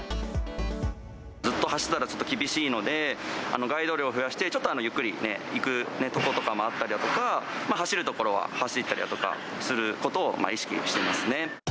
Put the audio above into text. ずっと走ってたら厳しいので、ガイド量を増やして、ちょっとゆっくりで行くところもあったりだとか、走る所は走ったりだとかすることを意識してますね。